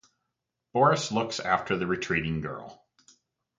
Boris looks after the retreating girl.